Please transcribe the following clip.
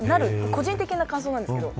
個人的な感想ですけど。